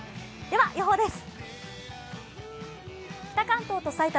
では、予報です。